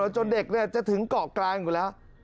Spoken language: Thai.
จนเด็กจะถึงเกาะกลางอยู่แล้ว